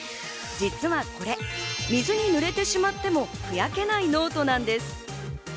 実はこれ、水に濡れてしまっても、ふやけないノートなんです。